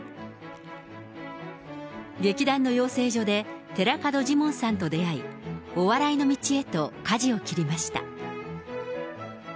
劇団の養成所で寺門ジモンさんと出会い、お笑いの道へとかじを切りました。